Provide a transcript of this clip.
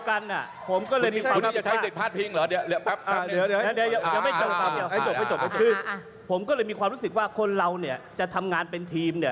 คือผมก็เลยมีความรู้สึกว่าคนเราอยากทำงานเป็นทีม